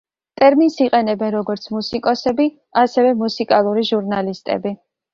ტერმინს იყენებენ როგორც მუსიკოსები, ასევე მუსიკალური ჟურნალისტები.